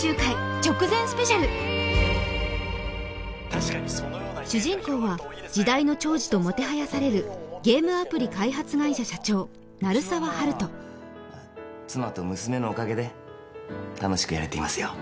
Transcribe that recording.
さらにさらに放送まで主人公は時代の寵児ともてはやされるゲームアプリ開発会社社長妻と娘のおかげで楽しくやれていますよ